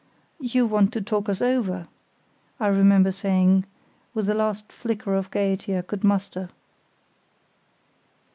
"You want to talk us over," I remember saying, with the last flicker of gaiety I could muster.